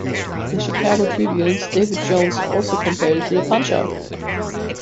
The "Chicago Tribune"s David Jones also compared it to the "Punch-Out!!